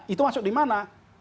itu masuk di mana